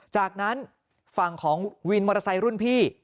จากนั้นฝั่งของวินมอเตอร์ไซค์รุ่นพี่